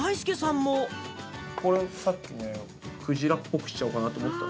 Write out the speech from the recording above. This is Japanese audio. これ、さっきの、クジラっぽくしようかなと思った。